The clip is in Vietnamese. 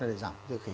rồi giảm dương khí